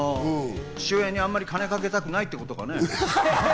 父親にあまり金かけたくないってことかね？